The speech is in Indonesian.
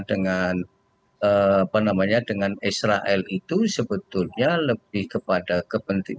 dan mereka tidak berak vip yaitu maksa dan mendondong asian public